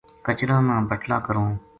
کچراں نا بٹلا کروں